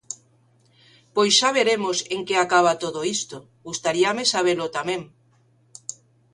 Pois xa veremos en que acaba todo isto, gustaríame sabelo tamén.